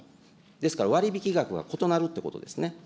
ですから割引額が異なるってことですね。